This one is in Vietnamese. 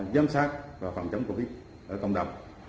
giám sát và phòng chống covid ở cộng đồng